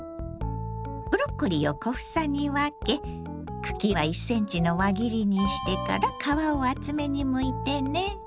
ブロッコリーを小房に分け茎は１ｃｍの輪切りにしてから皮を厚めにむいてね。